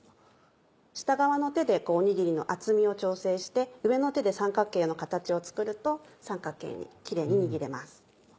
下側の手でおにぎりの厚みを調整して上の手で三角形の形を作ると三角形にキレイに握れます。